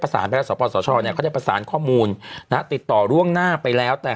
ประสานสผสลเขาได้ประสานข้อมูลติดต่อร่วงหน้าไปแล้วแต่